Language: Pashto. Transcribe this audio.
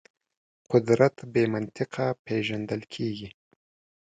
قدرت بې منطقه پېژندل کېږي.